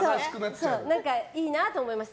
いいなと思いました。